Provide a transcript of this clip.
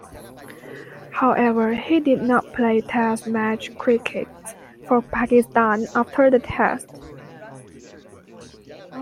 However, he did not play Test match cricket for Pakistan after that Test.